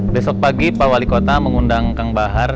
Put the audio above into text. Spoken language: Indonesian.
besok pagi pak wali kota mengundang kang bahar